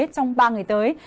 trong ba ngày tới